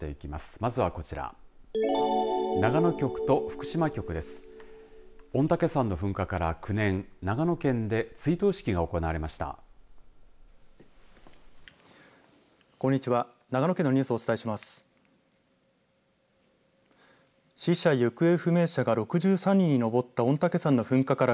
まずはこちら。